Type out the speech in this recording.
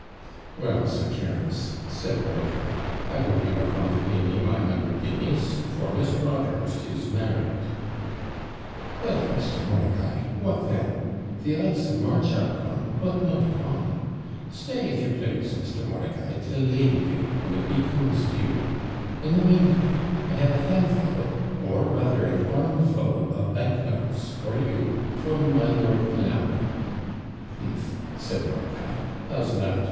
'Well, Sir Terence,' said Mordicai, 'I hope you are come to pay me my hundred guineas; for Miss Broadhurst is married!' 'Well, Mister Mordicai, what then? The ides of March are come, but not gone! Stay, if you plase, Mister Mordicai, till Lady day, when it becomes due; in the meantime, I have a handful, or rather an armful, of bank notes for you, from my Lord Colambre.' 'Humph!' said Mordicai; 'how's that?